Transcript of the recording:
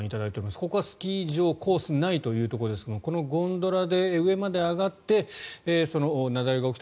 ここはスキー場コース内というところですがこのゴンドラで上まで上がって雪崩が起きた